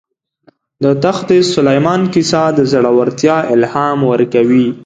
د تخت سلیمان کیسه د زړه ورتیا الهام ورکوي.